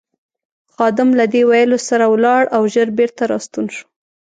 خادم له دې ویلو سره ولاړ او ژر بېرته راستون شو.